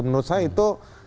menurut saya itu